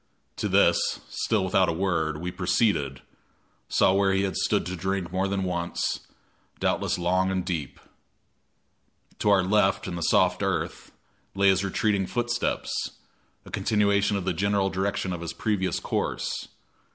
To this, still without a word, we proceeded, saw where he had stood to drink more than once, doubtless long and deep. To our left, in the soft earth, lay his retreating footsteps a continuation of the general direction of his previous course.